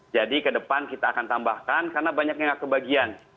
jadi kedepan kita akan tambahkan karena banyak yang tidak kebagian